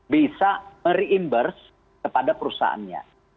bisa mereimburse kepada perusahaannya